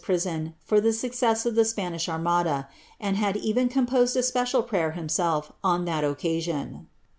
prison for the success of the Spanish Armada, and liad even composed a special prayer liiiiiself on that occasion."